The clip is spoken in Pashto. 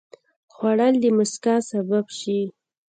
خوړل د مسکا سبب شي